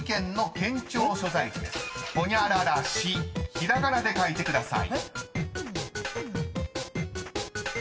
［ひらがなで書いてください］